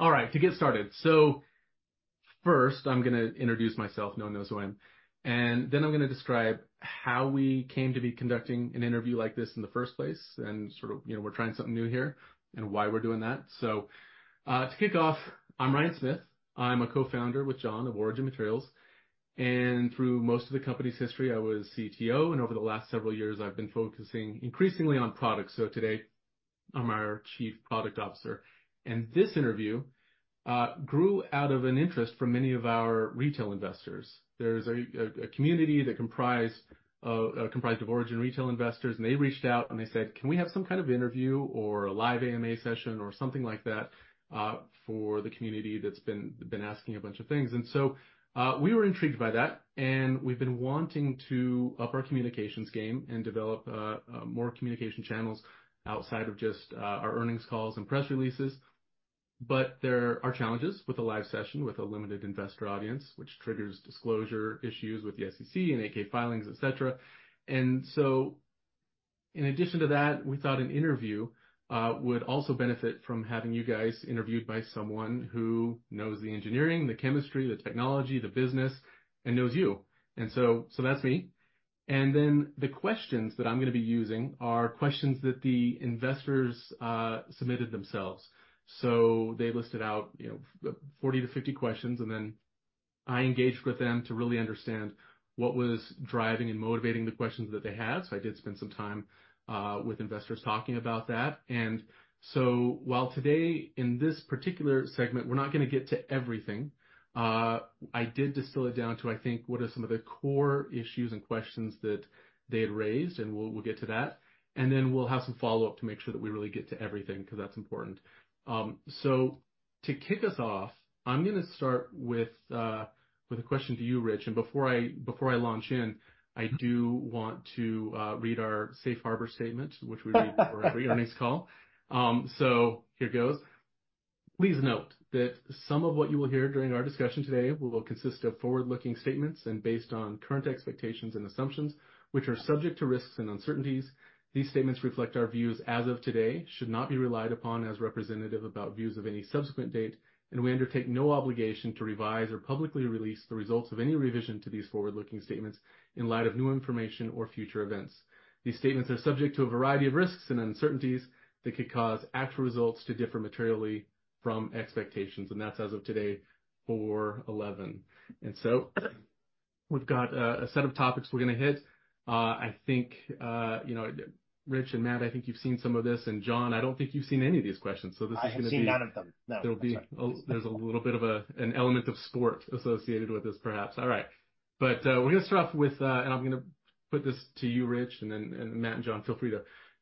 All right, to get started. So first, I'm going to introduce myself, no one knows who I am, and then I'm going to describe how we came to be conducting an interview like this in the first place, and sort of, you know, we're trying something new here, and why we're doing that. So, to kick off, I'm Ryan Smith. I'm a co-founder with John of Origin Materials. And through most of the company's history, I was CTO, and over the last several years, I've been focusing increasingly on product. So today, I'm our Chief Product Officer. And this interview grew out of an interest from many of our retail investors. There's a community that comprised of Origin retail investors, and they reached out and they said, "Can we have some kind of interview or a live AMA session or something like that for the community that's been asking a bunch of things?" And so we were intrigued by that, and we've been wanting to up our communications game and develop more communication channels outside of just our earnings calls and press releases. But there are challenges with a live session with a limited investor audience, which triggers disclosure issues with the SEC and 8-K filings, etc. And so, in addition to that, we thought an interview would also benefit from having you guys interviewed by someone who knows the engineering, the chemistry, the technology, the business, and knows you. And so that's me. And then the questions that I'm going to be using are questions that the investors submitted themselves. So they listed out, you know, 40 to 50 questions, and then I engaged with them to really understand what was driving and motivating the questions that they have. So I did spend some time with investors talking about that. And so while today, in this particular segment, we're not going to get to everything, I did distill it down to, I think, what are some of the core issues and questions that they had raised, and we'll get to that. And then we'll have some follow-up to make sure that we really get to everything because that's important. So to kick us off, I'm going to start with a question to you, Rich. And before I launch in, I do want to read our Safe Harbor statement, which we read for every earnings call. So here goes. Please note that some of what you will hear during our discussion today will consist of forward-looking statements and based on current expectations and assumptions, which are subject to risks and uncertainties. These statements reflect our views as of today, should not be relied upon as representative about views of any subsequent date, and we undertake no obligation to revise or publicly release the results of any revision to these forward-looking statements in light of new information or future events. These statements are subject to a variety of risks and uncertainties that could cause actual results to differ materially from expectations, and that's as of today, April 11, and so we've got a set of topics we're going to hit. I think, you know, Rich and Matt, I think you've seen some of this, and John, I don't think you've seen any of these questions, so this is going to be. I haven't seen none of them. No. There'll be a little bit of an element of sport associated with this, perhaps. All right, but we're going to start off with, and I'm going to put this to you, Rich, and then Matt and John, feel free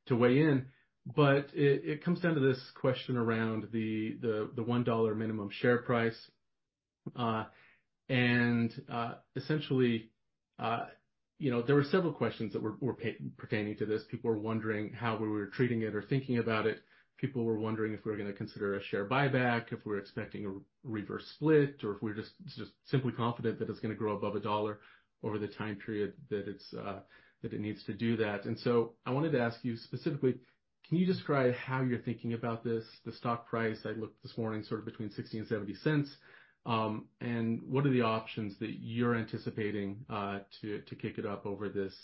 to weigh in, but it comes down to this question around the $1 minimum share price. And essentially, you know, there were several questions that were pertaining to this. People were wondering how we were treating it or thinking about it. People were wondering if we were going to consider a share buyback, if we were expecting a reverse split, or if we were just simply confident that it's going to grow above a dollar over the time period that it needs to do that. And so I wanted to ask you specifically, can you describe how you're thinking about this, the stock price? I looked this morning sort of between $0.60 and $0.70. And what are the options that you're anticipating to kick it up over this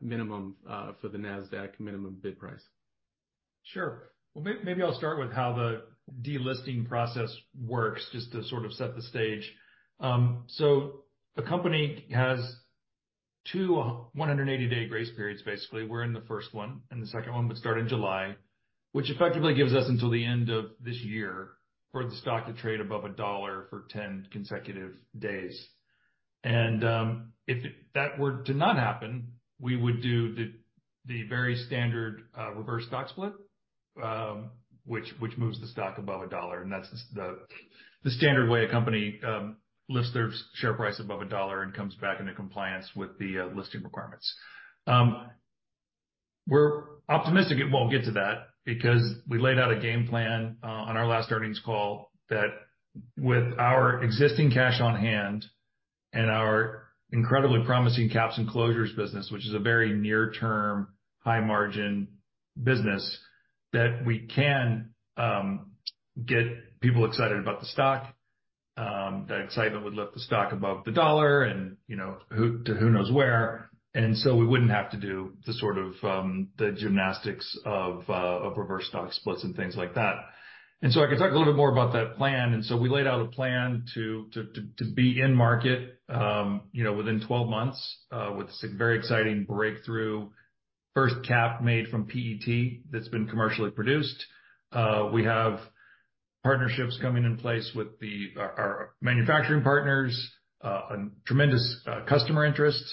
minimum for the Nasdaq minimum bid price? Sure. Well, maybe I'll start with how the delisting process works, just to sort of set the stage. So a company has two 180-day grace periods, basically. We're in the first one, and the second one would start in July, which effectively gives us until the end of this year for the stock to trade above a dollar for 10 consecutive days. And if that were to not happen, we would do the very standard reverse stock split, which moves the stock above a dollar. And that's the standard way a company lifts their share price above a dollar and comes back into compliance with the listing requirements. We're optimistic it won't get to that because we laid out a game plan on our last earnings call that with our existing cash on hand and our caps and closures business, which is a very near-term, high-margin business, that we can get people excited about the stock. That excitement would lift the stock above the $1 and, you know, to who knows where. And so we wouldn't have to do the sort of gymnastics of reverse stock splits and things like that. And so I could talk a little bit more about that plan. And so we laid out a plan to be in market, you know, within 12 months with a very exciting breakthrough first cap made from PET that's been commercially produced. We have partnerships coming in place with our manufacturing partners, tremendous customer interest.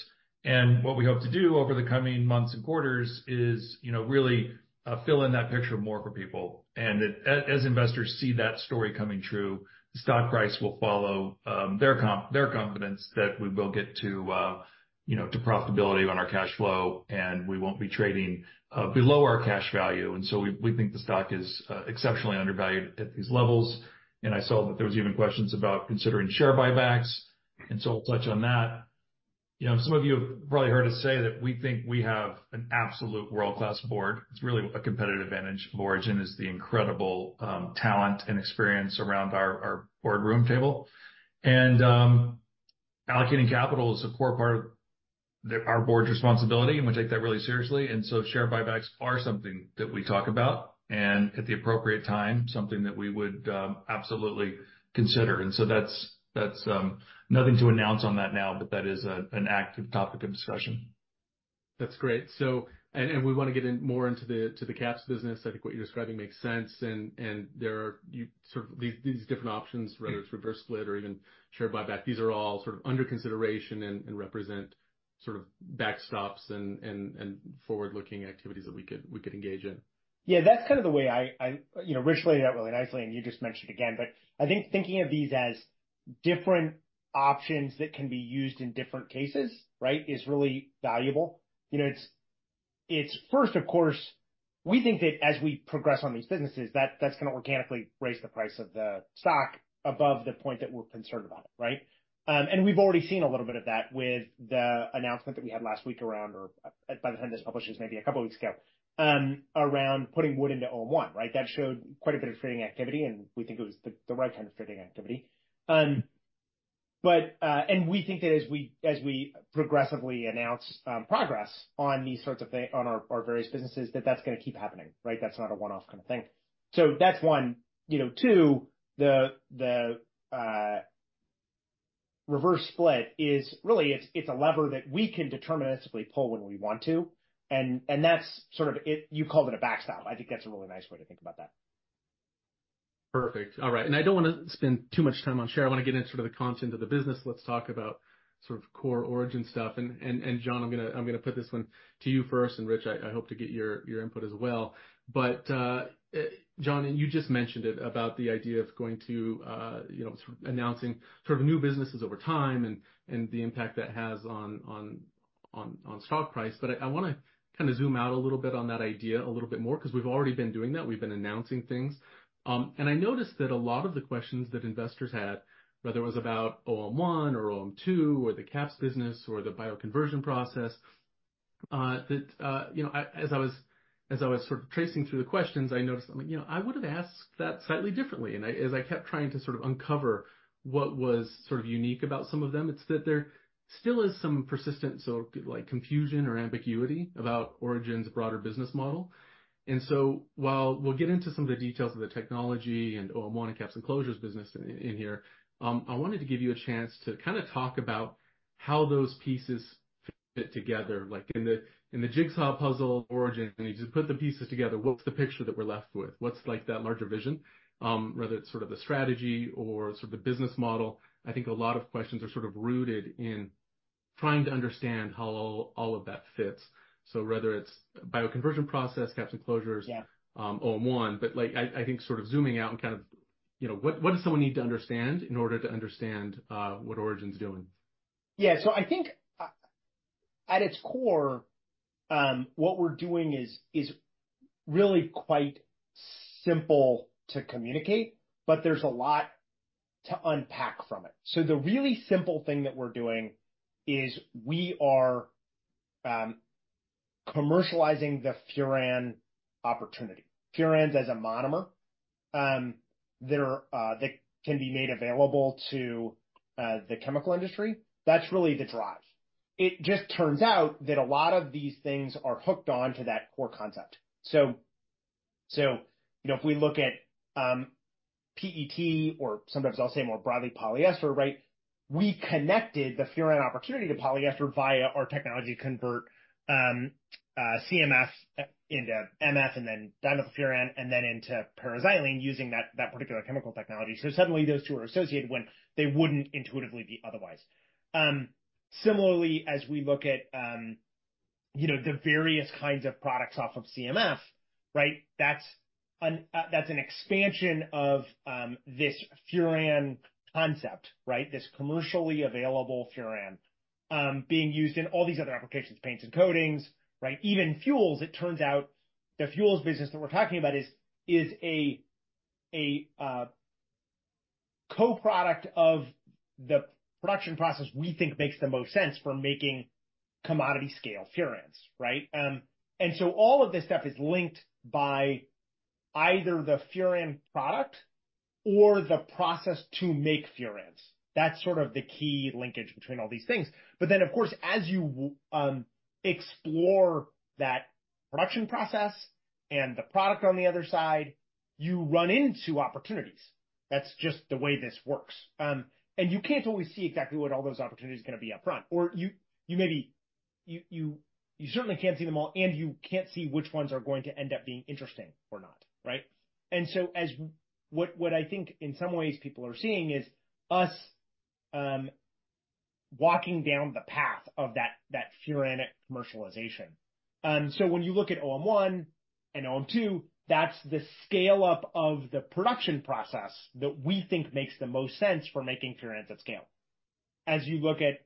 And what we hope to do over the coming months and quarters is, you know, really fill in that picture more for people. And as investors see that story coming true, the stock price will follow their confidence that we will get to, you know, to profitability on our cash flow, and we won't be trading below our cash value. And so we think the stock is exceptionally undervalued at these levels. And I saw that there were even questions about considering share buybacks. And so we'll touch on that. You know, some of you have probably heard us say that we think we have an absolute world-class board. It's really a competitive advantage. Origin is the incredible talent and experience around our boardroom table. And allocating capital is a core part of our board's responsibility, and we take that really seriously. And so share buybacks are something that we talk about and, at the appropriate time, something that we would absolutely consider. And so that's nothing to announce on that now, but that is an active topic of discussion. That's great. So, and we want to get in more into the caps business. I think what you're describing makes sense. And there are sort of these different options, whether it's reverse split or even share buyback. These are all sort of under consideration and represent sort of backstops and forward-looking activities that we could engage in. Yeah, that's kind of the way I, you know, Rich laid it out really nicely, and you just mentioned it again. But I think thinking of these as different options that can be used in different cases, right, is really valuable. You know, it's first, of course, we think that as we progress on these businesses, that's going to organically raise the price of the stock above the point that we're concerned about it, right? And we've already seen a little bit of that with the announcement that we had last week around, or by the time this publishes, maybe a couple of weeks ago, around putting wood into OM1, right? That showed quite a bit of trading activity, and we think it was the right kind of trading activity. But, and we think that as we progressively announce progress on these sorts of things on our various businesses, that that's going to keep happening, right? That's not a one-off kind of thing. So that's one. You know, two, the reverse split is really, it's a lever that we can deterministically pull when we want to. And that's sort of, you called it a backstop. I think that's a really nice way to think about that. Perfect. All right. And I don't want to spend too much time on shares. I want to get into sort of the content of the business. Let's talk about sort of core Origin stuff. And John, I'm going to put this one to you first. And Rich, I hope to get your input as well. But John, you just mentioned it about the idea of going to, you know, sort of announcing sort of new businesses over time and the impact that has on stock price. But I want to kind of zoom out a little bit on that idea a little bit more because we've already been doing that. We've been announcing things. And I noticed that a lot of the questions that investors had, whether it was about OM1 or OM2 or the caps business or the bioconversion process, that, you know, as I was sort of tracing through the questions, I noticed, you know, I would have asked that slightly differently. And as I kept trying to sort of uncover what was sort of unique about some of them, it's that there still is some persistent, so like confusion or ambiguity about Origin's broader business model. And so while we'll get into some of the details of the technology and caps and closures business in here, I wanted to give you a chance to kind of talk about how those pieces fit together. Like in the jigsaw puzzle of Origin, you just put the pieces together. What's the picture that we're left with? What's, like, that larger vision, whether it's sort of the strategy or sort of the business model? I think a lot of questions are sort of rooted in trying to understand how all of that fits. So whether it's caps and closures, om1, but, like, I think sort of zooming out and kind of, you know, what does someone need to understand in order to understand what Origin's doing? Yeah. So I think at its core, what we're doing is really quite simple to communicate, but there's a lot to unpack from it. So the really simple thing that we're doing is we are commercializing the furan opportunity. Furans as a monomer that can be made available to the chemical industry, that's really the drive. It just turns out that a lot of these things are hooked on to that core concept. So, you know, if we look at PET, or sometimes I'll say more broadly polyester, right, we connected the furan opportunity to polyester via our technology to convert CMF into MF and then dyeing with the furan and then into paraxylene using that particular chemical technology. So suddenly those two are associated when they wouldn't intuitively be otherwise. Similarly, as we look at, you know, the various kinds of products off of CMF, right, that's an expansion of this furan concept, right, this commercially available furan being used in all these other applications, paints and coatings, right, even fuels. It turns out the fuels business that we're talking about is a co-product of the production process we think makes the most sense for making commodity-scale furans, right? And so all of this stuff is linked by either the furan product or the process to make furans. That's sort of the key linkage between all these things. But then, of course, as you explore that production process and the product on the other side, you run into opportunities. That's just the way this works. You can't always see exactly what all those opportunities are going to be upfront, or, maybe, you certainly can't see them all, and you can't see which ones are going to end up being interesting or not, right? What I think in some ways people are seeing is us walking down the path of that furan commercialization. When you look at OM1 and OM2, that's the scale-up of the production process that we think makes the most sense for making furans at scale. As you look at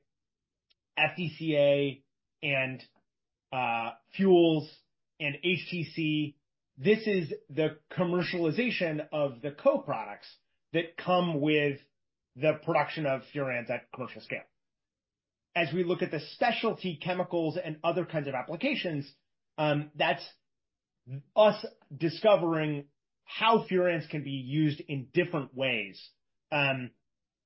FDCA and fuels and HTC, this is the commercialization of the co-products that come with the production of furans at commercial scale. As we look at the specialty chemicals and other kinds of applications, that's us discovering how furans can be used in different ways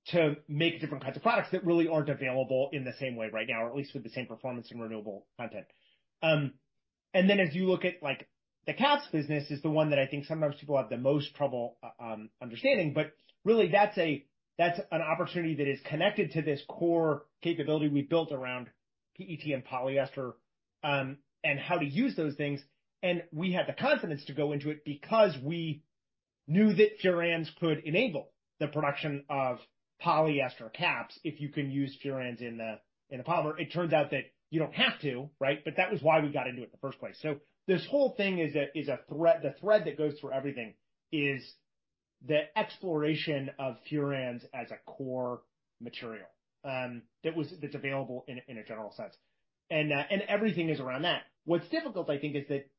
to make different kinds of products that really aren't available in the same way right now, or at least with the same performance and renewable content. And then as you look at like the caps business is the one that I think sometimes people have the most trouble understanding, but really that's an opportunity that is connected to this core capability we built around PET and polyester and how to use those things. And we had the confidence to go into it because we knew that furans could enable the production of polyester caps if you can use furans in a polymer. It turns out that you don't have to, right? But that was why we got into it in the first place. So this whole thing is a thread. The thread that goes through everything is the exploration of furans as a core material that's available in a general sense. And everything is around that. What's difficult, I think, is that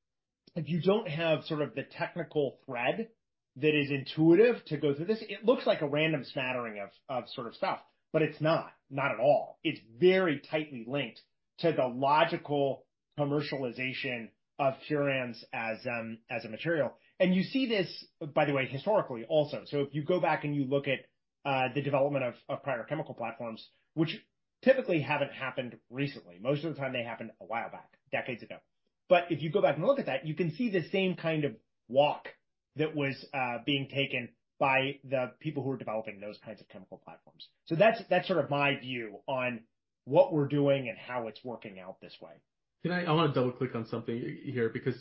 if you don't have sort of the technical thread that is intuitive to go through this, it looks like a random smattering of sort of stuff, but it's not, not at all. It's very tightly linked to the logical commercialization of furans as a material. And you see this, by the way, historically also. So if you go back and you look at the development of prior chemical platforms, which typically haven't happened recently. Most of the time they happened a while back, decades ago. But if you go back and look at that, you can see the same kind of walk that was being taken by the people who are developing those kinds of chemical platforms. So that's sort of my view on what we're doing and how it's working out this way. Can I? I want to double-click on something here because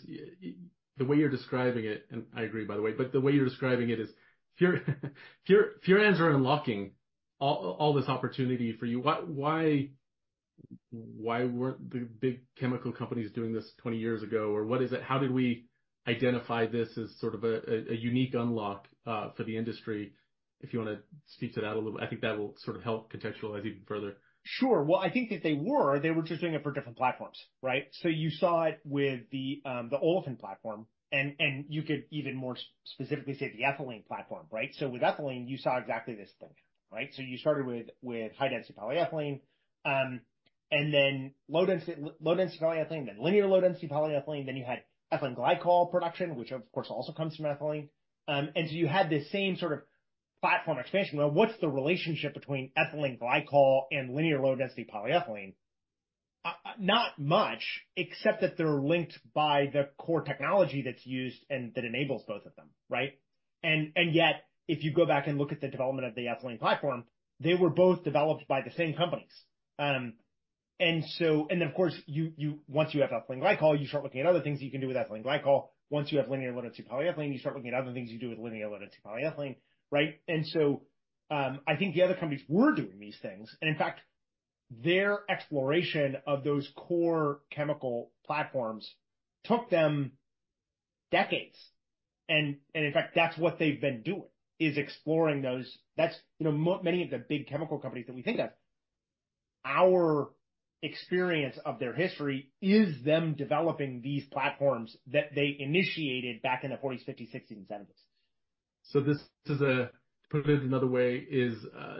the way you're describing it, and I agree, by the way, but the way you're describing it is furans are unlocking all this opportunity for you. Why weren't the big chemical companies doing this 20 years ago, or what is it? How did we identify this as sort of a unique unlock for the industry? If you want to speak to that a little, I think that will sort of help contextualize even further. Sure. Well, I think that they were. They were just doing it for different platforms, right? So you saw it with the olefin platform, and you could even more specifically say the ethylene platform, right? So with ethylene, you saw exactly this thing, right? So you started with high-density polyethylene, and then low-density polyethylene, then linear low-density polyethylene, then you had ethylene glycol production, which of course also comes from ethylene. And so you had this same sort of platform expansion. Well, what's the relationship between ethylene glycol and linear low-density polyethylene? Not much, except that they're linked by the core technology that's used and that enables both of them, right? And yet, if you go back and look at the development of the ethylene platform, they were both developed by the same companies. Of course, once you have ethylene glycol, you start looking at other things you can do with ethylene glycol. Once you have linear low-density polyethylene, you start looking at other things you do with linear low-density polyethylene, right? I think the other companies were doing these things. In fact, their exploration of those core chemical platforms took them decades. In fact, that's what they've been doing, is exploring those. That's, you know, many of the big chemical companies that we think of. Our experience of their history is them developing these platforms that they initiated back in the 1940s, 1950s, 1960s, and 1970s. To put it in another way,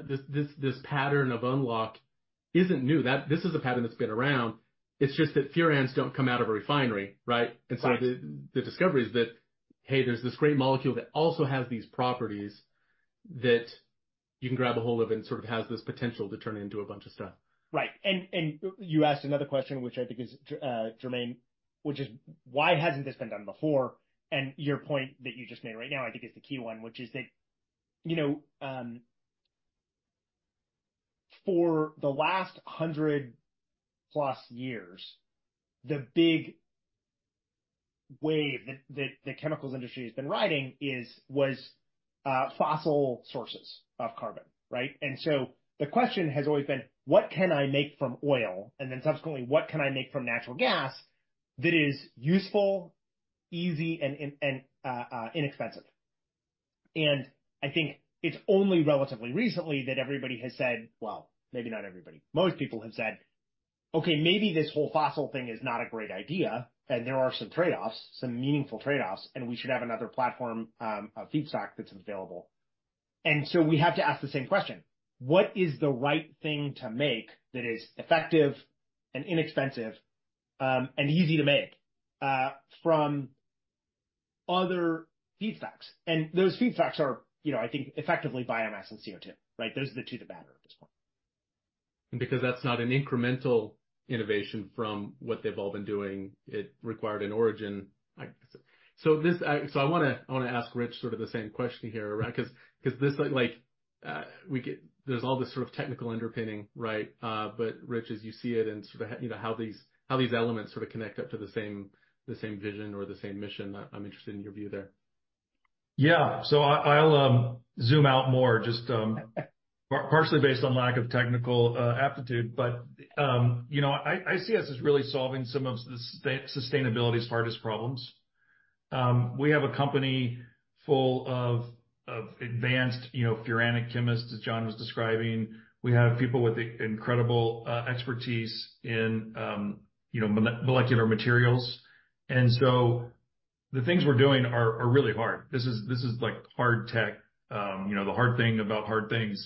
this pattern of unlock isn't new. This is a pattern that's been around. It's just that furans don't come out of a refinery, right? And so the discovery is that, hey, there's this great molecule that also has these properties that you can grab a hold of and sort of has this potential to turn into a bunch of stuff. Right. And you asked another question, which I think is germane, which is why hasn't this been done before? And your point that you just made right now, I think, is the key one, which is that, you know, for the last 100-plus years, the big wave that the chemicals industry has been riding was fossil sources of carbon, right? And so the question has always been, what can I make from oil? And then subsequently, what can I make from natural gas that is useful, easy, and inexpensive? And I think it's only relatively recently that everybody has said, well, maybe not everybody. Most people have said, okay, maybe this whole fossil thing is not a great idea, and there are some trade-offs, some meaningful trade-offs, and we should have another platform, a feedstock that's available. And so we have to ask the same question. What is the right thing to make that is effective and inexpensive and easy to make from other feedstocks? And those feedstocks are, you know, I think, effectively biomass and CO2, right? Those are the two that matter at this point. And because that's not an incremental innovation from what they've all been doing, it required an origin. So this, so I want to ask Rich sort of the same question here around because this, like we get, there's all this sort of technical underpinning, right? But Rich, as you see it and sort of, you know, how these elements sort of connect up to the same vision or the same mission, I'm interested in your view there. Yeah. So I'll zoom out more just partially based on lack of technical aptitude, but, you know, I see us as really solving some of the sustainability's hardest problems. We have a company full of advanced, you know, furanic chemists, as John was describing. We have people with incredible expertise in, you know, molecular materials. And so the things we're doing are really hard. This is like hard tech. You know, the hard thing about hard things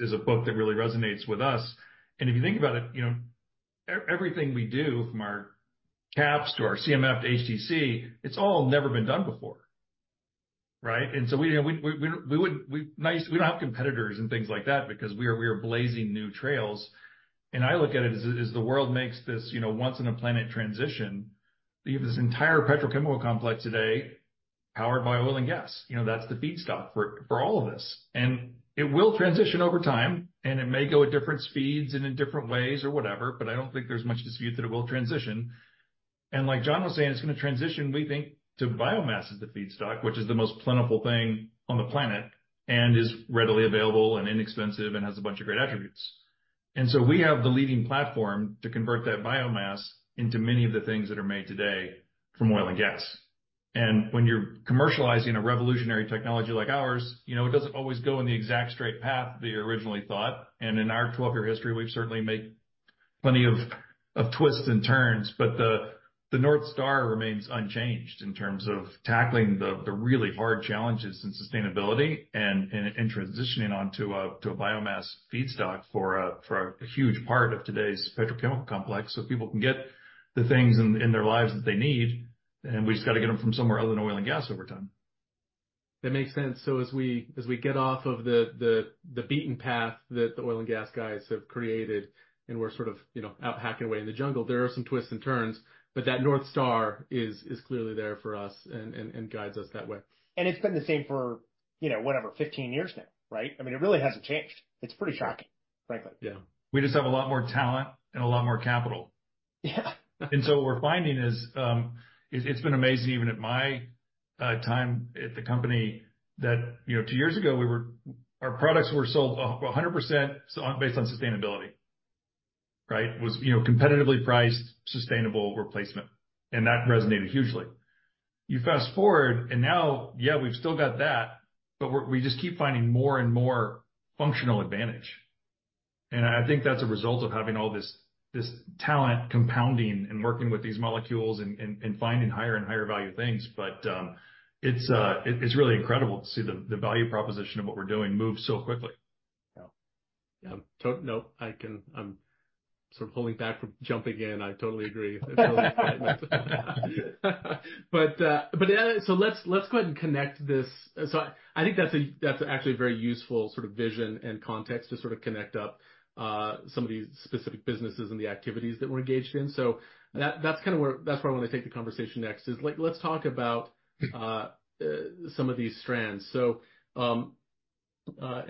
is a book that really resonates with us. And if you think about it, you know, everything we do from our caps to our CMF to HTC, it's all never been done before, right? And so we don't have competitors and things like that because we are blazing new trails. And I look at it as the world makes this, you know, once-in-a-planet transition. You have this entire petrochemical complex today powered by oil and gas. You know, that's the feedstock for all of this, and it will transition over time, and it may go at different speeds and in different ways or whatever, but I don't think there's much dispute that it will transition, and like John was saying, it's going to transition, we think, to biomass as the feedstock, which is the most plentiful thing on the planet and is readily available and inexpensive and has a bunch of great attributes, and so we have the leading platform to convert that biomass into many of the things that are made today from oil and gas, and when you're commercializing a revolutionary technology like ours, you know, it doesn't always go in the exact straight path that you originally thought. And in our 12-year history, we've certainly made plenty of twists and turns, but the North Star remains unchanged in terms of tackling the really hard challenges in sustainability and transitioning onto a biomass feedstock for a huge part of today's petrochemical complex so people can get the things in their lives that they need. And we just got to get them from somewhere other than oil and gas over time. That makes sense. So as we get off of the beaten path that the oil and gas guys have created and we're sort of, you know, out hacking away in the jungle, there are some twists and turns, but that North Star is clearly there for us and guides us that way. And it's been the same for, you know, whatever, 15 years now, right? I mean, it really hasn't changed. It's pretty shocking, frankly. Yeah. We just have a lot more talent and a lot more capital. Yeah. And so what we're finding is it's been amazing even at my time at the company, that, you know, two years ago, our products were sold 100% based on sustainability, right? It was, you know, competitively priced, sustainable replacement. And that resonated hugely. You fast forward, and now, yeah, we've still got that, but we just keep finding more and more functional advantage. And I think that's a result of having all this talent compounding and working with these molecules and finding higher and higher value things. But it's really incredible to see the value proposition of what we're doing move so quickly. Yeah. Yeah. No, I can sort of holding back from jumping in. I totally agree. But so let's go ahead and connect this. So I think that's actually a very useful sort of vision and context to sort of connect up some of these specific businesses and the activities that we're engaged in. So that's kind of where I want to take the conversation next is let's talk about some of these strands. So, and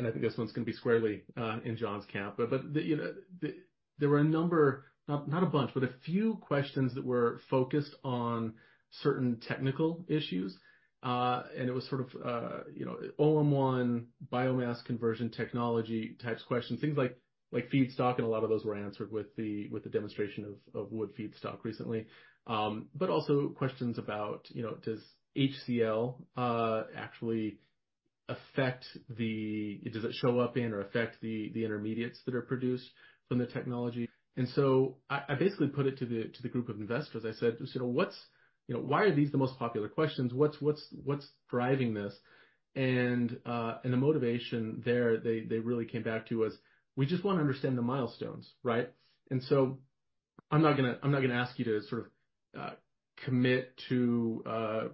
I think this one's going to be squarely in John's camp, but there were a number, not a bunch, but a few questions that were focused on certain technical issues. And it was sort of, you know, OM1, biomass conversion technology types of questions, things like feedstock, and a lot of those were answered with the demonstration of wood feedstock recently. But also questions about, you know, does HCl actually affect the, does it show up in or affect the intermediates that are produced from the technology? And so I basically put it to the group of investors. I said, you know, what's, you know, why are these the most popular questions? What's driving this? And the motivation there, they really came back to us, we just want to understand the milestones, right? And so I'm not going to ask you to sort of commit to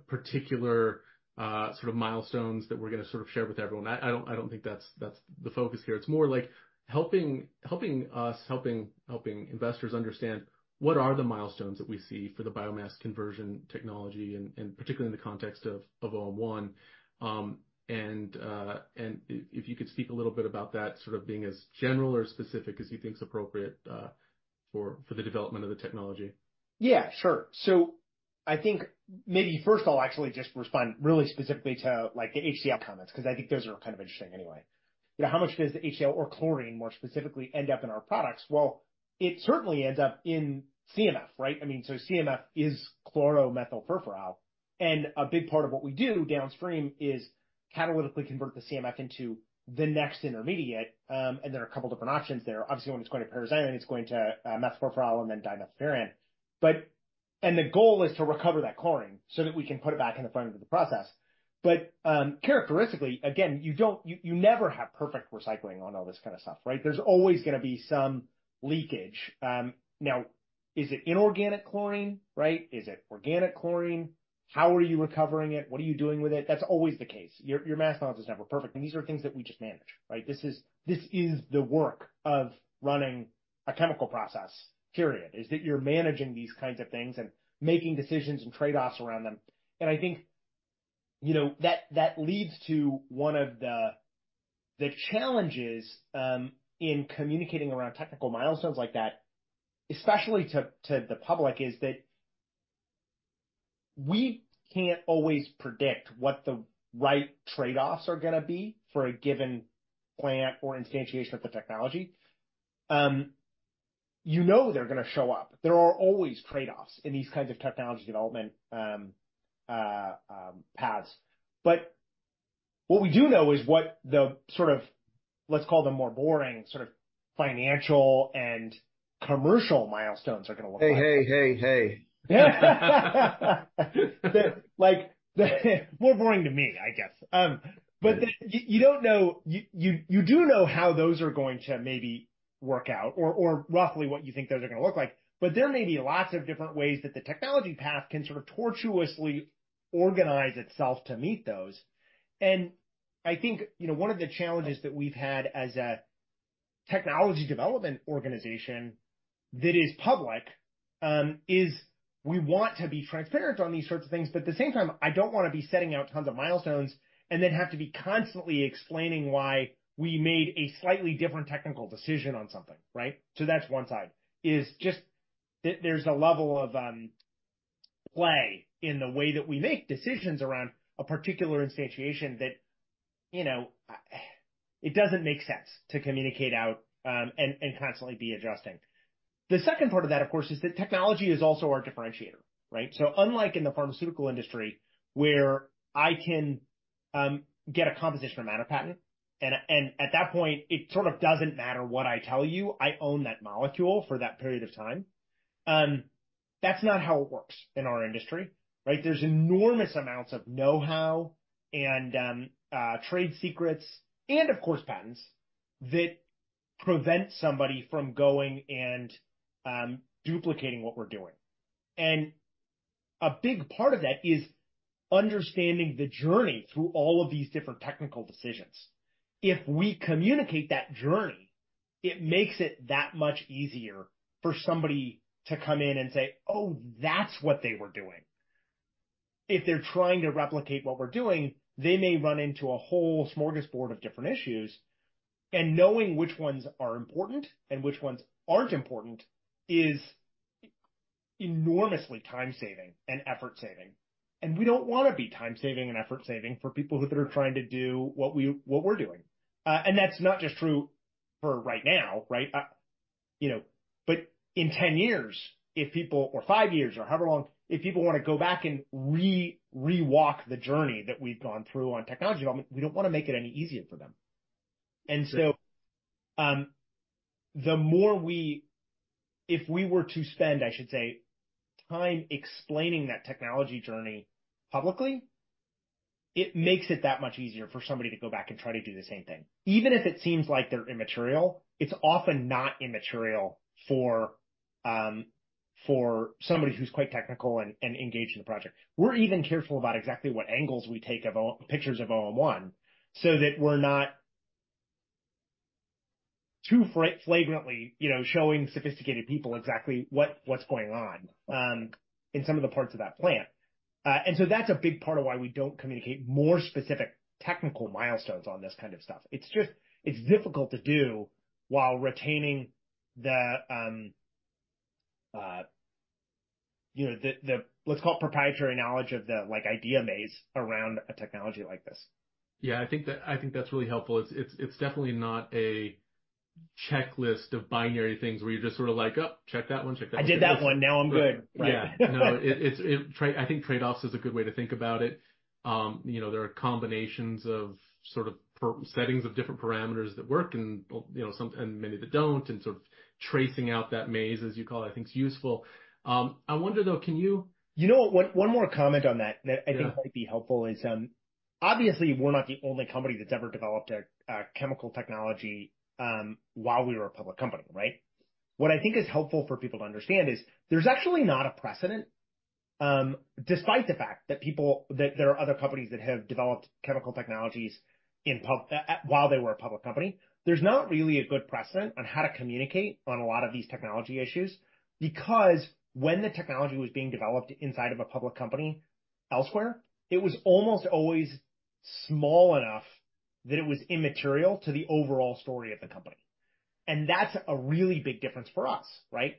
particular sort of milestones that we're going to sort of share with everyone. I don't think that's the focus here. It's more like helping us, helping investors understand what are the milestones that we see for the biomass conversion technology, and particularly in the context of OM1. And if you could speak a little bit about that sort of being as general or specific as you think is appropriate for the development of the technology. Yeah, sure. So I think maybe first I'll actually just respond really specifically to like the HCl comments because I think those are kind of interesting anyway. You know, how much does the HCl or chlorine more specifically end up in our products? Well, it certainly ends up in CMF, right? I mean, so CMF is Chloromethylfurfural. And a big part of what we do downstream is catalytically convert the CMF into the next intermediate. And there are a couple of different options there. Obviously, when it's going to paraxylene, it's going to Methylfurfural and then dimethylfuran. And the goal is to recover that chlorine so that we can put it back in the front end of the process. But characteristically, again, you never have perfect recycling on all this kind of stuff, right? There's always going to be some leakage. Now, is it inorganic chlorine, right? Is it organic chlorine? How are you recovering it? What are you doing with it? That's always the case. Your math knowledge is never perfect. And these are things that we just manage, right? This is the work of running a chemical process, period. Is that you're managing these kinds of things and making decisions and trade-offs around them. And I think, you know, that leads to one of the challenges in communicating around technical milestones like that, especially to the public, is that we can't always predict what the right trade-offs are going to be for a given plant or instantiation of the technology. You know they're going to show up. There are always trade-offs in these kinds of technology development paths. But what we do know is what the sort of, let's call them more boring sort of financial and commercial milestones are going to look like. Hey, hey, hey, hey. Yeah. Like more boring to me, I guess. But you don't know, you do know how those are going to maybe work out or roughly what you think those are going to look like, but there may be lots of different ways that the technology path can sort of tortuously organize itself to meet those. And I think, you know, one of the challenges that we've had as a technology development organization that is public is we want to be transparent on these sorts of things, but at the same time, I don't want to be setting out tons of milestones and then have to be constantly explaining why we made a slightly different technical decision on something, right? So that's one side is just that there's a level of play in the way that we make decisions around a particular instantiation that, you know, it doesn't make sense to communicate out and constantly be adjusting. The second part of that, of course, is that technology is also our differentiator, right? So unlike in the pharmaceutical industry where I can get a composition-of-matter patent, and at that point, it sort of doesn't matter what I tell you, I own that molecule for that period of time. That's not how it works in our industry, right? There's enormous amounts of know-how and trade secrets and, of course, patents that prevent somebody from going and duplicating what we're doing. And a big part of that is understanding the journey through all of these different technical decisions. If we communicate that journey, it makes it that much easier for somebody to come in and say, "Oh, that's what they were doing." If they're trying to replicate what we're doing, they may run into a whole smorgasbord of different issues, and knowing which ones are important and which ones aren't important is enormously time-saving and effort-saving, and we don't want to be time-saving and effort-saving for people that are trying to do what we're doing, and that's not just true for right now, right? You know, but in 10 years, if people, or five years or however long, if people want to go back and re-walk the journey that we've gone through on technology development, we don't want to make it any easier for them. The more we, if we were to spend, I should say, time explaining that technology journey publicly, it makes it that much easier for somebody to go back and try to do the same thing. Even if it seems like they're immaterial, it's often not immaterial for somebody who's quite technical and engaged in the project. We're even careful about exactly what angles we take of pictures of OM1 so that we're not too flagrantly, you know, showing sophisticated people exactly what's going on in some of the parts of that plant. That's a big part of why we don't communicate more specific technical milestones on this kind of stuff. It's just, it's difficult to do while retaining the, you know, the, let's call it proprietary knowledge of the, like idea maze around a technology like this. Yeah, I think that's really helpful. It's definitely not a checklist of binary things where you're just sort of like, "Oh, check that one, check that one. I did that one. Now I'm good. Yeah. No, I think trade-offs is a good way to think about it. You know, there are combinations of sort of settings of different parameters that work and, you know, and many that don't and sort of tracing out that maze, as you call it, I think is useful. I wonder though, can you? You know what, one more comment on that that I think might be helpful is obviously we're not the only company that's ever developed a chemical technology while we were a public company, right? What I think is helpful for people to understand is there's actually not a precedent despite the fact that people, that there are other companies that have developed chemical technologies in public while they were a public company. There's not really a good precedent on how to communicate on a lot of these technology issues because when the technology was being developed inside of a public company elsewhere, it was almost always small enough that it was immaterial to the overall story of the company. And that's a really big difference for us, right?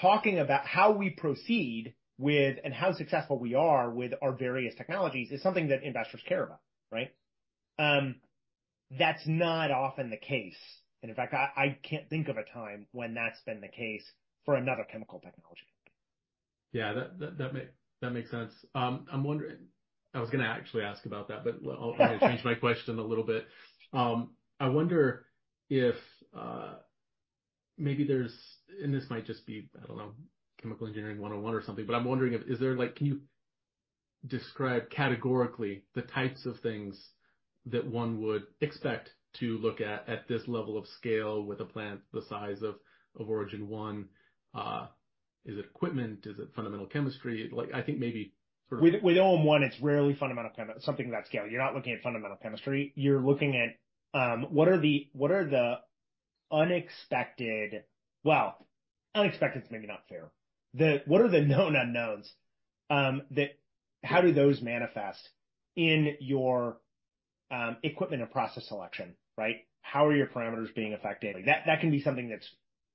Talking about how we proceed with and how successful we are with our various technologies is something that investors care about, right? That's not often the case. In fact, I can't think of a time when that's been the case for another chemical technology. Yeah, that makes sense. I'm wondering, I was going to actually ask about that, but I'll change my question a little bit. I wonder if maybe there's, and this might just be, I don't know, chemical engineering 101 or something, but I'm wondering if is there like, can you describe categorically the types of things that one would expect to look at at this level of scale with a plant the size of Origin 1? Is it equipment? Is it fundamental chemistry? Like I think maybe sort of. With OM1, it's rarely fundamental chemistry, something that scale. You're not looking at fundamental chemistry. You're looking at what are the unexpected, well, unexpected is maybe not fair. What are the known unknowns that how do those manifest in your equipment and process selection, right? How are your parameters being affected? That can be something that's,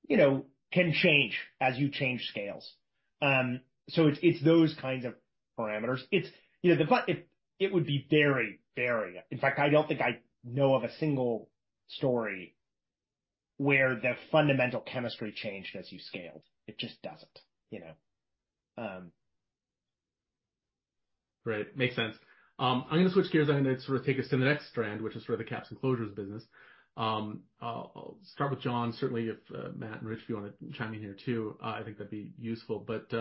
you know, can change as you change scales. So it's those kinds of parameters. It's, you know, it would be very, very, in fact, I don't think I know of a single story where the fundamental chemistry changed as you scaled. It just doesn't, you know. Right. Makes sense. I'm going to switch gears and sort of take us to the next strand, which is sort of the caps and closures business. I'll start with John. Certainly, if Matt and Rich, if you want to chime in here too, I think that'd be useful. But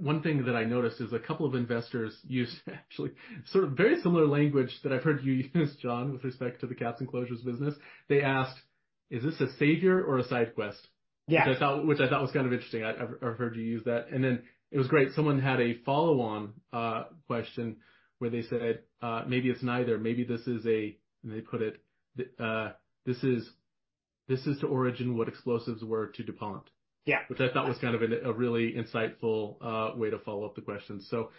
one thing that I noticed is a couple of investors used actually sort of very similar language that I've heard you use, John, with respect to the caps and closures business. They asked, "Is this a savior or a side quest? Yes. Which I thought was kind of interesting. I've heard you use that. And then it was great. Someone had a follow-on question where they said, "Maybe it's neither. Maybe this is a," and they put it, "This is to Origin what explosives were to DuPont. Yeah. Which I thought was kind of a really insightful way to follow up the question. So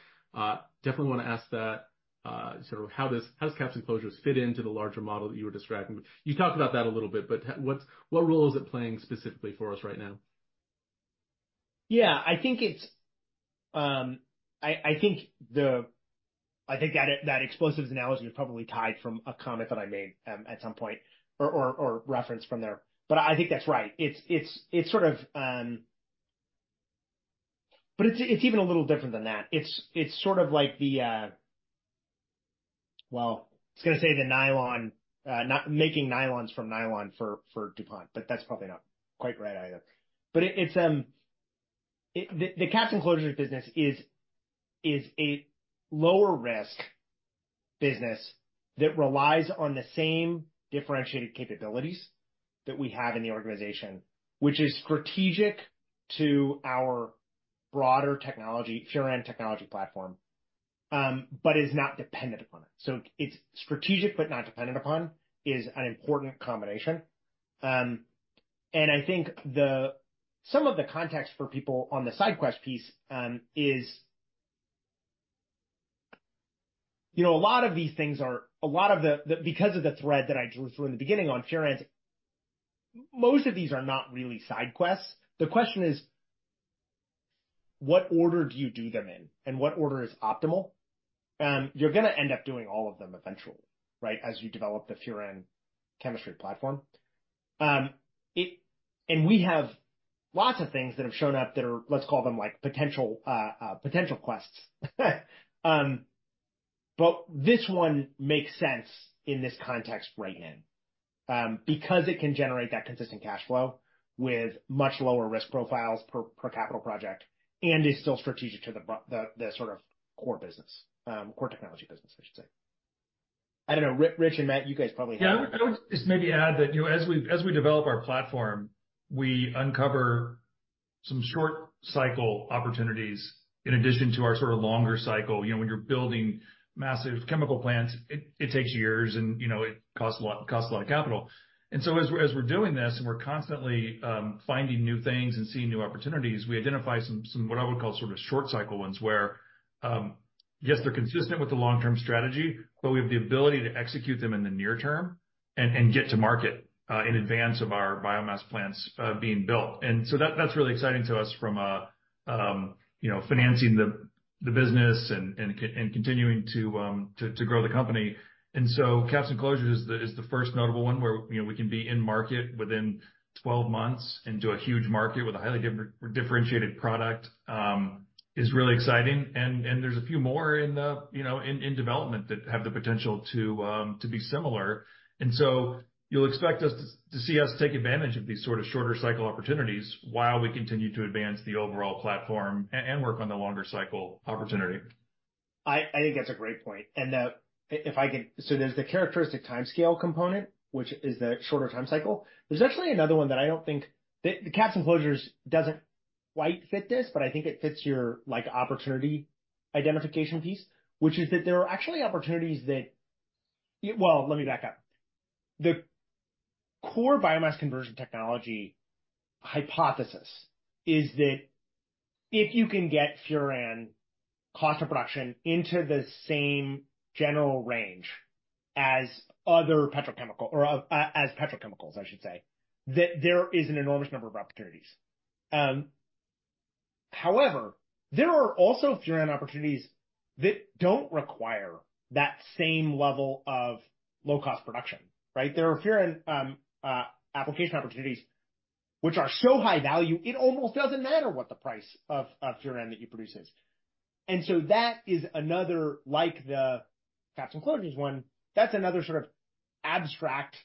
definitely want to ask that sort of how does caps and closures fit into the larger model that you were describing? You talked about that a little bit, but what role is it playing specifically for us right now? Yeah, I think that explosives analogy is probably tied from a comment that I made at some point or referenced from there. But I think that's right. It's sort of, but it's even a little different than that. It's sort of like the, well, I was going to say the nylon, making nylons from nylon for DuPont, but that's probably not quite right either. But caps and closures business is a lower risk business that relies on the same differentiated capabilities that we have in the organization, which is strategic to our broader technology, PET end technology platform, but is not dependent upon it. So it's strategic, but not dependent upon is an important combination. I think some of the context for people on the side quest piece is, you know, a lot of these things are because of the thread that I drew through in the beginning on furan, most of these are not really side quests. The question is, what order do you do them in and what order is optimal? You're going to end up doing all of them eventually, right, as you develop the furan chemistry platform. And we have lots of things that have shown up that are, let's call them like potential quests. But this one makes sense in this context right now because it can generate that consistent cash flow with much lower risk profiles per capital project and is still strategic to the sort of core business, core technology business, I should say. I don't know, Rich and Matt, you guys probably have. Yeah, I would just maybe add that, you know, as we develop our platform, we uncover some short cycle opportunities in addition to our sort of longer cycle. You know, when you're building massive chemical plants, it takes years and, you know, it costs a lot of capital. And so as we're doing this and we're constantly finding new things and seeing new opportunities, we identify some what I would call sort of short cycle ones where, yes, they're consistent with the long-term strategy, but we have the ability to execute them in the near term and get to market in advance of our biomass plants being built. And so that's really exciting to us from, you know, financing the business and continuing to grow the company. And so caps and closures is the first notable one where, you know, we can be in market within 12 months and do a huge market with a highly differentiated product is really exciting. And there's a few more in, you know, in development that have the potential to be similar. And so you'll expect us to see us take advantage of these sort of shorter cycle opportunities while we continue to advance the overall platform and work on the longer cycle opportunity. I think that's a great point, and if I can, so there's the characteristic timescale component, which is the shorter time cycle. There's actually another one that I don't caps and closures doesn't quite fit this, but I think it fits your like opportunity identification piece, which is that there are actually opportunities that, well, let me back up. The core biomass conversion technology hypothesis is that if you can get furan cost of production into the same general range as other petrochemical or as petrochemicals, I should say, that there is an enormous number of opportunities. However, there are also furan opportunities that don't require that same level of low-cost production, right? There are furan application opportunities which are so high value, it almost doesn't matter what the price of furan that you produce is. And so that is another, caps and closures one. that's another sort of abstract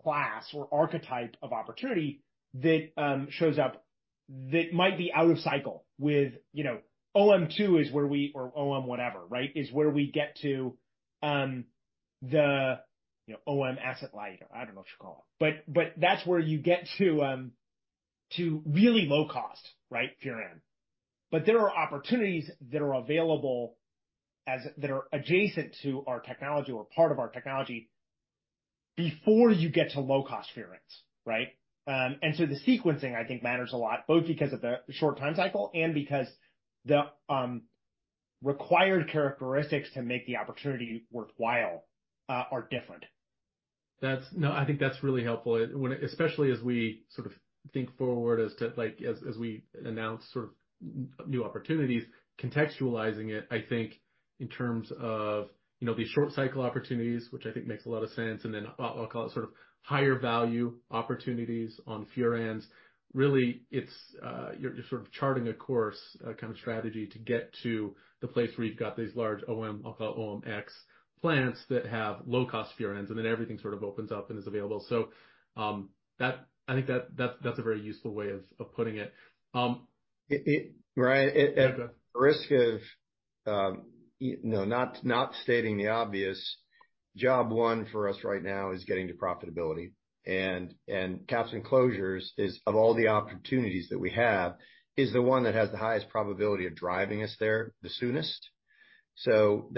class or archetype of opportunity that shows up that might be out of cycle with, you know, OM2. OM2 is where we, or OM whatever, right, is where we get to the, you know, OM asset light. I don't know what you call it. But that's where you get to really low cost, right, furan. But there are opportunities that are available that are adjacent to our technology or part of our technology before you get to low-cost furan, right? And so the sequencing I think matters a lot, both because of the short time cycle and because the required characteristics to make the opportunity worthwhile are different. That's, no, I think that's really helpful, especially as we sort of think forward as to like, as we announce sort of new opportunities, contextualizing it, I think in terms of, you know, these short cycle opportunities, which I think makes a lot of sense, and then I'll call it sort of higher value opportunities on PX. Really, it's your sort of charting a course kind of strategy to get to the place where you've got these large OM, I'll call it OMX plants that have low-cost PX and then everything sort of opens up and is available. So that, I think that that's a very useful way of putting it. Right. The risk of, no, not stating the obvious, job one for us right now is getting to caps and closures is, of all the opportunities that we have, is the one that has the highest probability of driving us there the soonest. So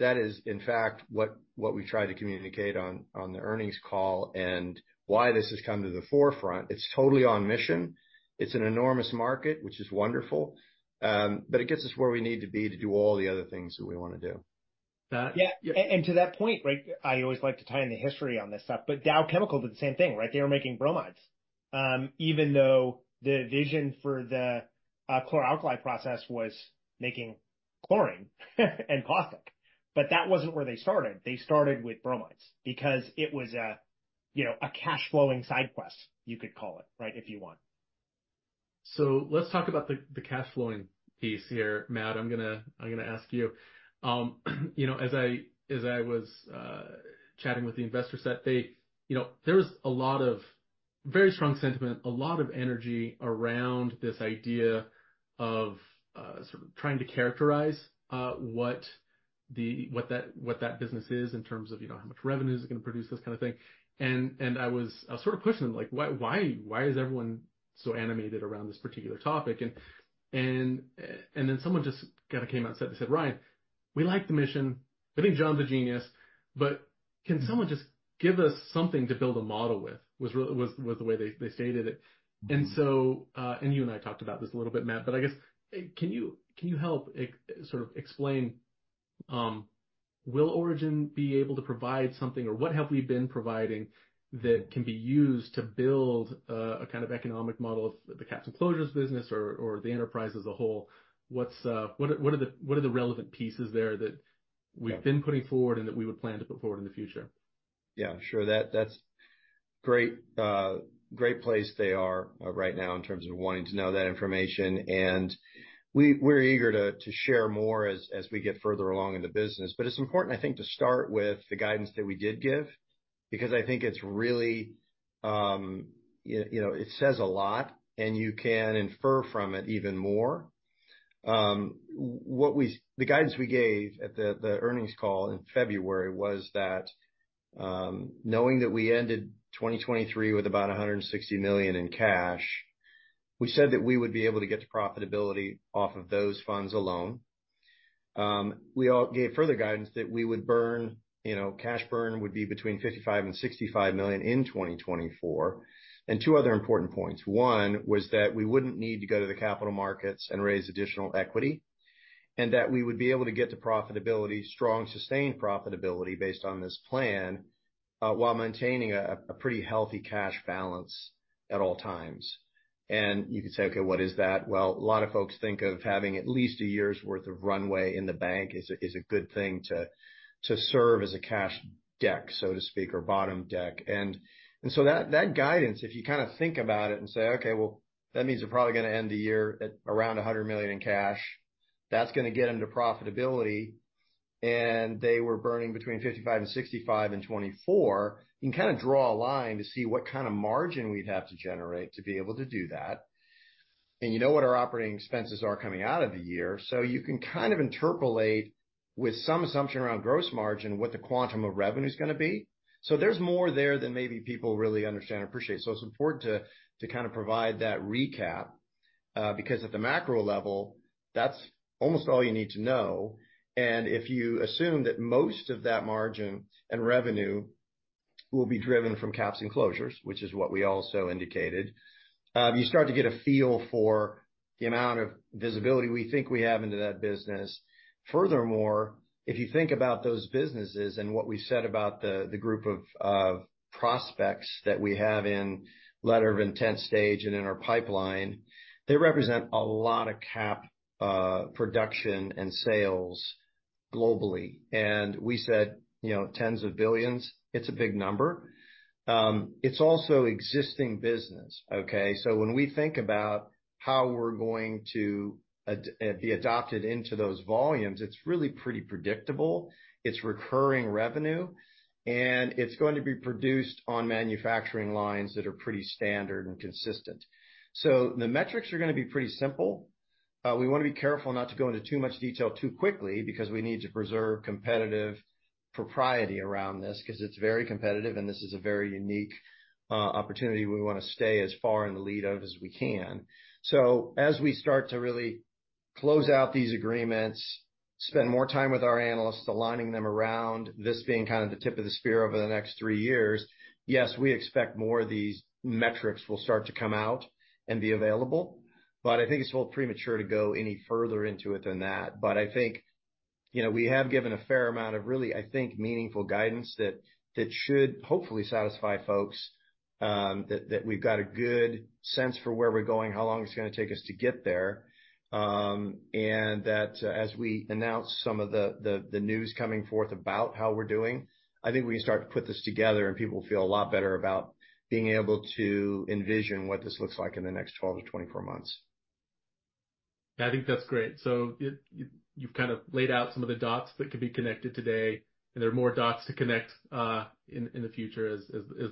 that is in fact what we tried to communicate on the earnings call and why this has come to the forefront. It's totally on mission. It's an enormous market, which is wonderful, but it gets us where we need to be to do all the other things that we want to do. Yeah. And to that point, right, I always like to tie in the history on this stuff, but Dow Chemical did the same thing, right? They were making bromides, even though the vision for the chlor-alkali process was making chlorine and plastic. But that wasn't where they started. They started with bromides because it was a, you know, a cash flowing side quest, you could call it, right, if you want. So let's talk about the cash flowing piece here, Matt. I'm going to ask you, you know, as I was chatting with the investor set, they, you know, there was a lot of very strong sentiment, a lot of energy around this idea of sort of trying to characterize what that business is in terms of, you know, how much revenue is it going to produce, this kind of thing. And I was sort of pushing them like, why is everyone so animated around this particular topic? And then someone just kind of came out and said, they said, "Ryan, we like the mission. I think John's a genius, but can someone just give us something to build a model with?" was the way they stated it. You and I talked about this a little bit, Matt, but I guess can you help sort of explain, will Origin be able to provide something or what have we been providing that can be used to build a kind of economic model caps and closures business or the enterprise as a whole? What are the relevant pieces there that we've been putting forward and that we would plan to put forward in the future? Yeah, sure. That's great, great place they are right now in terms of wanting to know that information. And we're eager to share more as we get further along in the business. But it's important, I think, to start with the guidance that we did give because I think it's really, you know, it says a lot and you can infer from it even more. The guidance we gave at the earnings call in February was that knowing that we ended 2023 with about $160 million in cash, we said that we would be able to get to profitability off of those funds alone. We all gave further guidance that we would burn, you know, cash burn would be between $55-$65 million in 2024. And two other important points. One was that we wouldn't need to go to the capital markets and raise additional equity and that we would be able to get to profitability, strong sustained profitability based on this plan while maintaining a pretty healthy cash balance at all times. You could say, "Okay, what is that?" A lot of folks think of having at least a year's worth of runway in the bank is a good thing to serve as a cash deck, so to speak, or bottom deck. That guidance, if you kind of think about it and say, "Okay, well, that means they're probably going to end the year at around $100 million in cash. That's going to get them to profitability." They were burning between $55 million and $65 million in 2024. You can kind of draw a line to see what kind of margin we'd have to generate to be able to do that, and you know what our operating expenses are coming out of the year, so you can kind of interpolate with some assumption around gross margin what the quantum of revenue is going to be, so there's more there than maybe people really understand and appreciate, so it's important to kind of provide that recap because at the macro level, that's almost all you need to know, and if you assume that most of that margin and revenue will be caps and closures, which is what we also indicated, you start to get a feel for the amount of visibility we think we have into that business. Furthermore, if you think about those businesses and what we said about the group of prospects that we have in letter of intent stage and in our pipeline, they represent a lot of cap production and sales globally. And we said, you know, tens of billions. It's a big number. It's also existing business, okay? So when we think about how we're going to be adopted into those volumes, it's really pretty predictable. It's recurring revenue. And it's going to be produced on manufacturing lines that are pretty standard and consistent. So the metrics are going to be pretty simple. We want to be careful not to go into too much detail too quickly because we need to preserve competitive proprietary around this because it's very competitive and this is a very unique opportunity. We want to stay as far in the lead of as we can. So as we start to really close out these agreements, spend more time with our analysts, aligning them around this being kind of the tip of the spear over the next three years, yes, we expect more of these metrics will start to come out and be available. But I think it's a little premature to go any further into it than that. But I think, you know, we have given a fair amount of really, I think, meaningful guidance that should hopefully satisfy folks that we've got a good sense for where we're going, how long it's going to take us to get there. And that as we announce some of the news coming forth about how we're doing, I think we can start to put this together and people feel a lot better about being able to envision what this looks like in the next 12-24 months. Yeah, I think that's great. So you've kind of laid out some of the dots that could be connected today and there are more dots to connect in the future as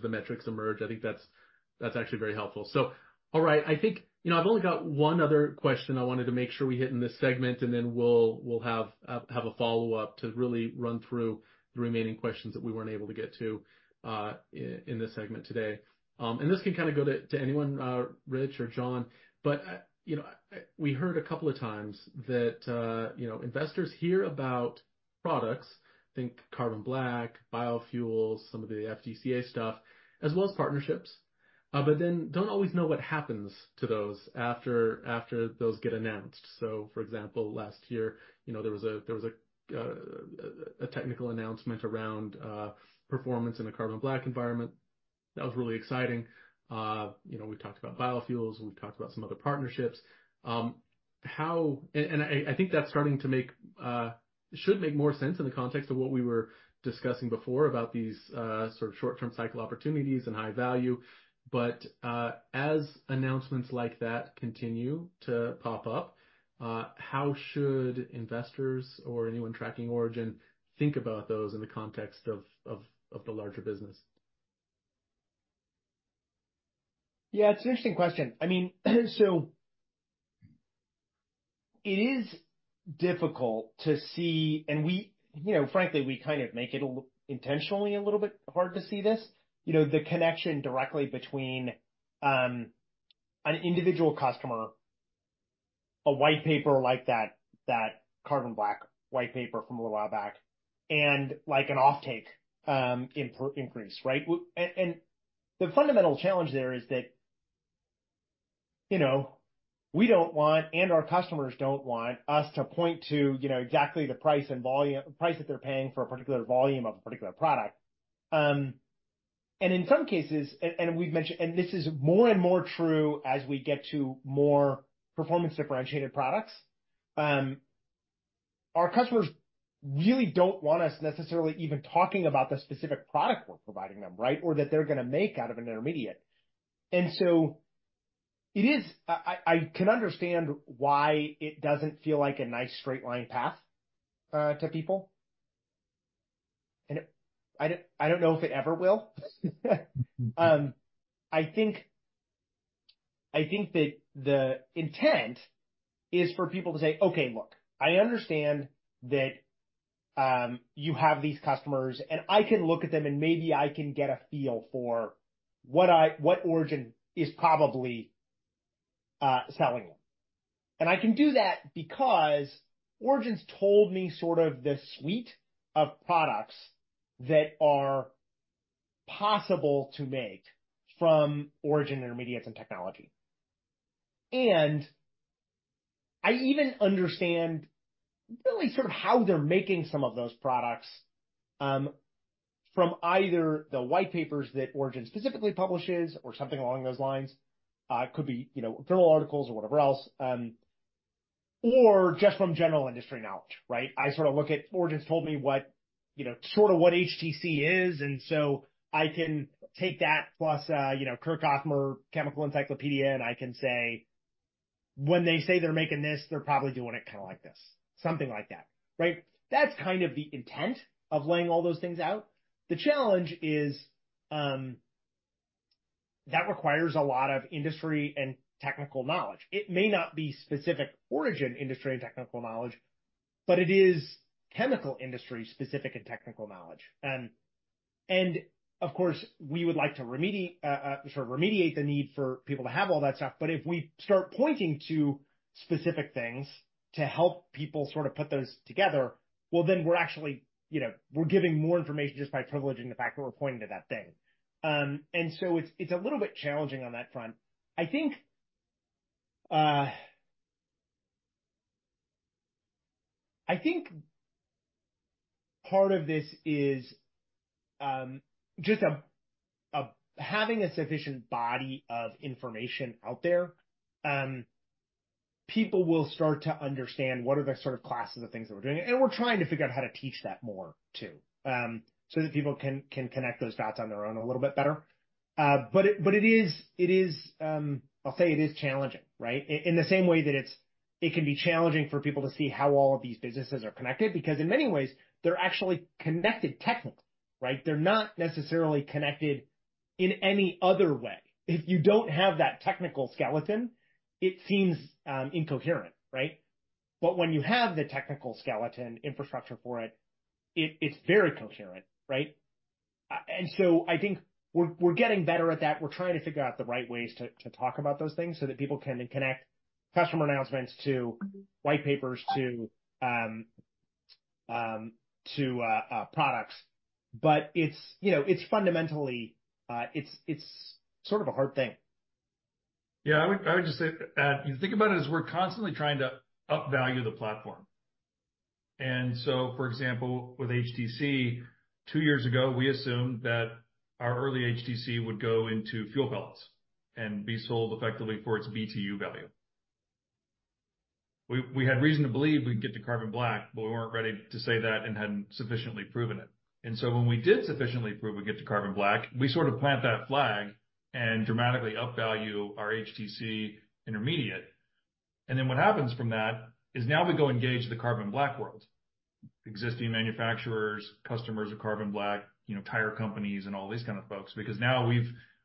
the metrics emerge. I think that's actually very helpful. So, all right, I think, you know, I've only got one other question I wanted to make sure we hit in this segment and then we'll have a follow-up to really run through the remaining questions that we weren't able to get to in this segment today. And this can kind of go to anyone, Rich or John, but, you know, we heard a couple of times that, you know, investors hear about products, I think carbon black, biofuels, some of the FDCA stuff, as well as partnerships, but then don't always know what happens to those after those get announced. So, for example, last year, you know, there was a technical announcement around performance in a carbon black environment. That was really exciting. You know, we talked about biofuels. We've talked about some other partnerships. How, and I think that's starting to make, should make more sense in the context of what we were discussing before about these sort of short-term cycle opportunities and high value. But as announcements like that continue to pop up, how should investors or anyone tracking Origin think about those in the context of the larger business? Yeah, it's an interesting question. I mean, so it is difficult to see, and we, you know, frankly, we kind of make it intentionally a little bit hard to see this, you know, the connection directly between an individual customer, a white paper like that, that carbon black white paper from a little while back, and like an offtake increase, right? And the fundamental challenge there is that, you know, we don't want, and our customers don't want us to point to, you know, exactly the price and volume, price that they're paying for a particular volume of a particular product. And in some cases, and we've mentioned, and this is more and more true as we get to more performance differentiated products, our customers really don't want us necessarily even talking about the specific product we're providing them, right, or that they're going to make out of an intermediate. And so it is, I can understand why it doesn't feel like a nice straight line path to people. And I don't know if it ever will. I think that the intent is for people to say, "Okay, look, I understand that you have these customers and I can look at them and maybe I can get a feel for what Origin is probably selling them." And I can do that because Origin's told me sort of the suite of products that are possible to make from Origin intermediates and technology. And I even understand really sort of how they're making some of those products from either the white papers that Origin specifically publishes or something along those lines. It could be, you know, journal articles or whatever else, or just from general industry knowledge, right? I sort of look at Origin's told me what, you know, sort of what HTC is, and so I can take that plus, you know, Kirk-Othmer Chemical Encyclopedia, and I can say, "When they say they're making this, they're probably doing it kind of like this," something like that, right? That's kind of the intent of laying all those things out. The challenge is that requires a lot of industry and technical knowledge. It may not be specific Origin industry and technical knowledge, but it is chemical industry specific and technical knowledge, and of course, we would like to sort of remediate the need for people to have all that stuff, but if we start pointing to specific things to help people sort of put those together, well, then we're actually, you know, we're giving more information just by privileging the fact that we're pointing to that thing. It's a little bit challenging on that front. I think, I think part of this is just having a sufficient body of information out there. People will start to understand what are the sort of classes of things that we're doing. We're trying to figure out how to teach that more too so that people can connect those dots on their own a little bit better. But it is, I'll say it is challenging, right? In the same way that it can be challenging for people to see how all of these businesses are connected because in many ways, they're actually connected technically, right? They're not necessarily connected in any other way. If you don't have that technical skeleton, it seems incoherent, right? But when you have the technical skeleton infrastructure for it, it's very coherent, right? I think we're getting better at that. We're trying to figure out the right ways to talk about those things so that people can connect customer announcements to white papers to products. But it's, you know, it's sort of a hard thing. Yeah, I would just say, you think about it as we're constantly trying to upvalue the platform. And so, for example, with HTC, two years ago, we assumed that our early HTC would go into fuel pellets and be sold effectively for its BTU value. We had reason to believe we'd get to Carbon Black, but we weren't ready to say that and hadn't sufficiently proven it. And so when we did sufficiently prove we'd get to Carbon Black, we sort of plant that flag and dramatically upvalue our HTC intermediate. And then what happens from that is now we go engage the carbon black world, existing manufacturers, customers of carbon black, you know, tire companies and all these kinds of folks because now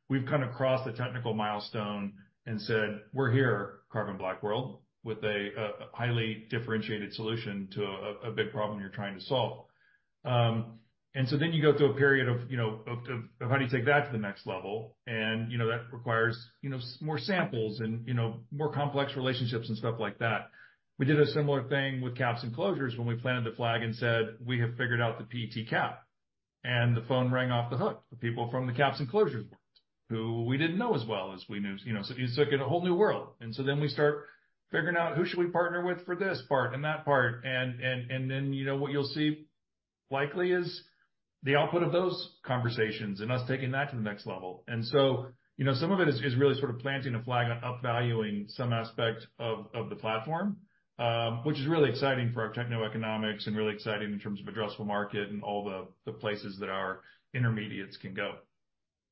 we've kind of crossed the technical milestone and said, "We're here, carbon black world, with a highly differentiated solution to a big problem you're trying to solve." And so then you go through a period of, you know, of how do you take that to the next level? And, you know, that requires, you know, more samples and, you know, more complex relationships and stuff like that. We did a similar thing with caps and closures when we planted the flag and said, "We have figured out the PET cap." And the phone rang off the hook for people caps and closures world who we didn't know as well as we knew. You know, so it's like a whole new world, and so then we start figuring out who should we partner with for this part and that part, and then, you know, what you'll see likely is the output of those conversations and us taking that to the next level, and so, you know, some of it is really sort of planting a flag on upvaluing some aspect of the platform, which is really exciting for our techno-economics and really exciting in terms of addressable market and all the places that our intermediates can go,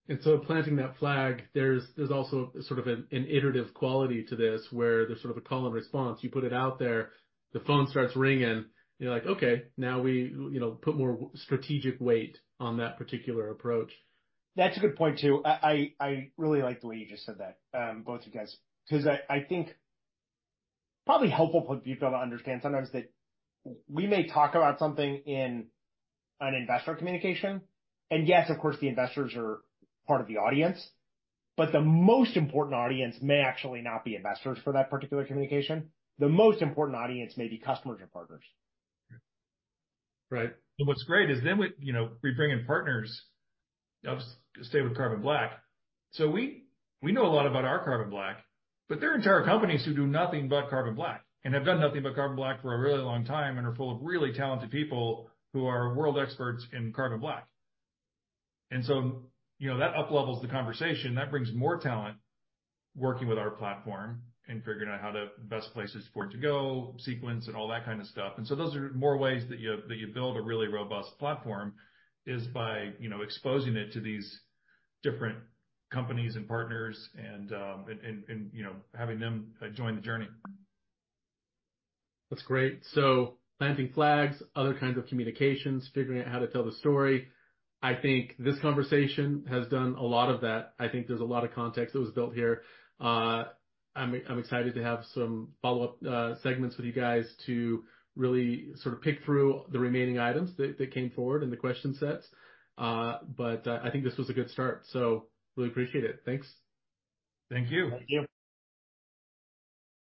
and so planting that flag, there's also sort of an iterative quality to this where there's sort of a call and response. You put it out there, the phone starts ringing, you're like, "Okay, now we, you know, put more strategic weight on that particular approach. That's a good point too. I really like the way you just said that, both of you guys, because I think probably helpful for people to understand sometimes that we may talk about something in an investor communication, and yes, of course, the investors are part of the audience, but the most important audience may actually not be investors for that particular communication. The most important audience may be customers or partners. Right. And what's great is then we, you know, we bring in partners. I'll just stay with carbon black. So we know a lot about our carbon black, but there are entire companies who do nothing but carbon black and have done nothing but carbon black for a really long time and are full of really talented people who are world experts in carbon black. And so, you know, that uplevels the conversation. That brings more talent working with our platform and figuring out how to best place for it to go, sequence, and all that kind of stuff. And so those are more ways that you build a really robust platform is by, you know, exposing it to these different companies and partners and, you know, having them join the journey. That's great. So planting flags, other kinds of communications, figuring out how to tell the story. I think this conversation has done a lot of that. I think there's a lot of context that was built here. I'm excited to have some follow-up segments with you guys to really sort of pick through the remaining items that came forward and the question sets. But I think this was a good start. So really appreciate it. Thanks. Thank you. Thank you.